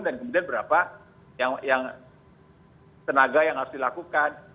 dan kemudian berapa tenaga yang harus dilakukan